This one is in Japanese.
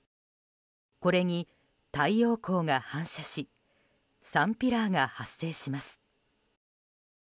これに太陽光が反射しサンピラーが発生します。